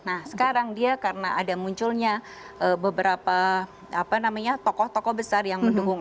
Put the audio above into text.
nah sekarang dia karena ada munculnya beberapa tokoh tokoh besar yang mendukung